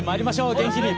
元気に。